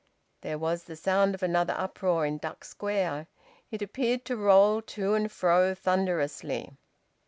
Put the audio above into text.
There was the sound of another uproar in Duck Square. It appeared to roll to and fro thunderously.